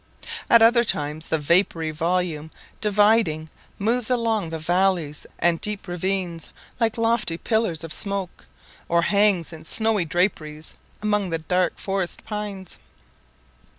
At other times the vapoury volume dividing, moves along the valleys and deep ravines, like lofty pillars of smoke, or hangs in snowy draperies among the dark forest pines.